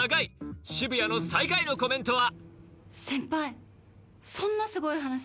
渋谷の最下位のコメントは？